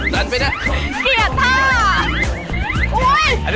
ดันไปด้า